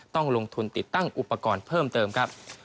ต้องลงทุนติดตั้งอุปกรณ์เพิ่มเติมครับ